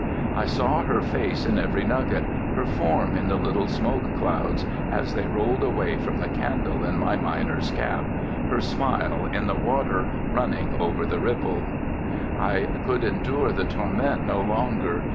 I saw her face in every nugget, her form in the little smoke clouds as they rolled away from the candle in my miner's cap, her smile in the water running over the ripples. I could endure the torment no longer.